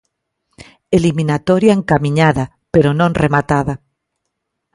Eliminatoria encamiñada, pero non rematada.